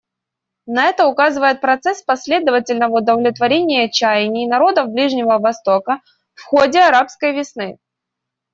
На это указывает процесс последовательного удовлетворения чаяний народов Ближнего Востока в ходе «арабской весны».